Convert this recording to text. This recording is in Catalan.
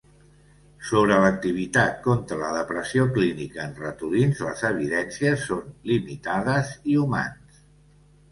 Sobre l'activitat contra la depressió clínica en ratolins les evidències són limitades i humans.